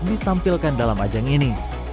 ditampilkan dalam ajang ini